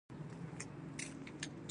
هېڅ یو اړخ یې ملي حکومت نه شي تمثیلولای.